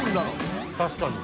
確かに。